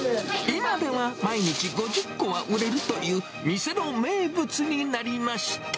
今では毎日５０個は売れるという、店の名物になりました。